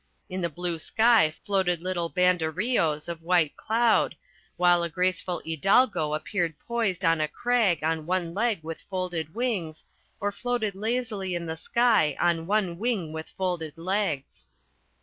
In the blue sky floated little banderillos of white cloud, while a graceful hidalgo appeared poised on a crag on one leg with folded wings, or floated lazily in the sky on one wing with folded legs.